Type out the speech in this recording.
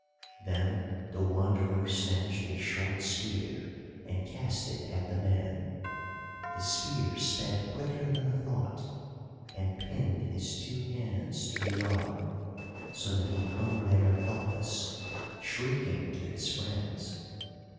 Then the Wanderer snatched a short spear and cast it at the man. The spear sped quicker than a thought, and pinned his two hands to the yard so that he hung there helpless, shrieking to his friends.